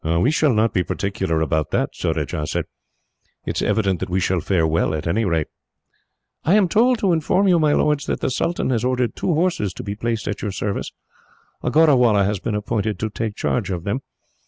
"We shall not be particular about that," Surajah said. "It is evident we shall fare well, at any rate." "I am told to inform you, my lords, that the sultan has ordered two horses to be placed at your service. A ghorrawalla has been appointed to take charge of them.